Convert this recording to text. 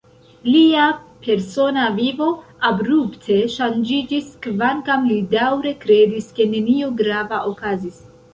Lia persona vivo abrupte ŝanĝiĝis, kvankam li daŭre kredis, ke nenio grava okazis.